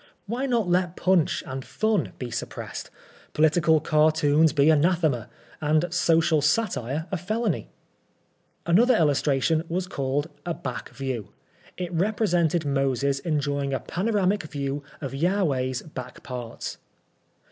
Why not let Pwnch and Fun be suppressed, political cartoons be Anathema, and social satire a felony ? Another illustration was called " A Back View." It represented Moses enjoying a panoramic view of Jahveh's "back parts."